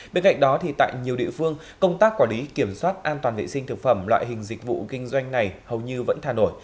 bên cạnh đó tại nhiều địa phương công tác quản lý kiểm soát an toàn vệ sinh thực phẩm loại hình dịch vụ kinh doanh này hầu như vẫn thà nổi